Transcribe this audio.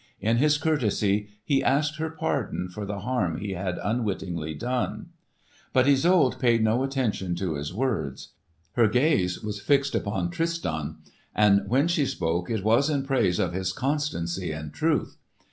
In his courtesy he asked her pardon for the harm he had unwittingly done. But Isolde paid no heed to his words. Her gaze was fixed upon Tristan, and when she spoke it was in praise of his constancy and truth.